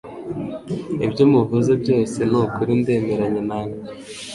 Ibyo muvuze byose nukuri ndemeranya namwe